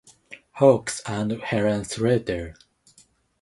Fox and Helen Slater.